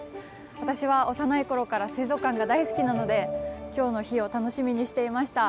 私は幼い頃から水族館が大好きなので今日の日を楽しみにしていました。